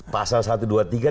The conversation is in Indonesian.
pasal satu dua tiga